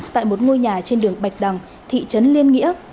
tại một ngôi nhà trên đường bạch đằng thị trấn liên nghĩa